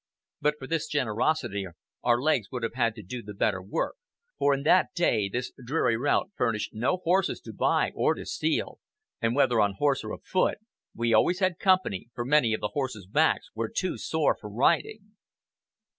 But for this generosity, our legs would have had to do the better work, for in that day this dreary route furnished no horses to buy or to steal, and whether on horse or afoot, we always had company, for many of the horses' backs were too sore for riding."